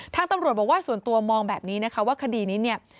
ตำรวจบอกว่าส่วนตัวมองแบบนี้นะคะว่าคดีนี้เนี่ย